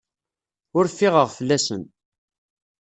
Ur ffiɣeɣ fell-asen.